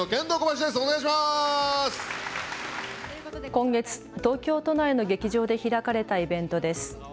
今月、東京都内の劇場で開かれたイベントです。